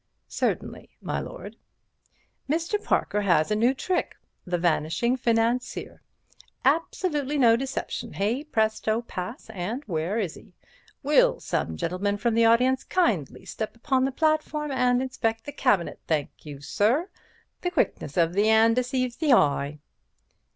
"Certainly, my lord." "Mr. Parker has a new trick: The Vanishing Financier. Absolutely no deception. Hey, presto, pass! and where is he? Will some gentleman from the audience kindly step upon the platform and inspect the cabinet? Thank you, sir. The quickness of the 'and deceives the heye."